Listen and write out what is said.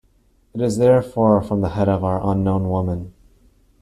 It is therefore from the head of our unknown woman.